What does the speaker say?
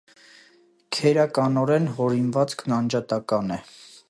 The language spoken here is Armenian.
Քերականական հորինվածքն անջատական է։